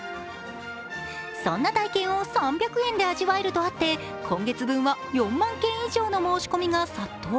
そんな体験を３００円で味わえるとあって今月分は４万件以上の申し込みが殺到。